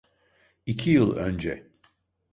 İki yıl önce.